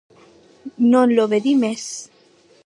Non lo vedí mès.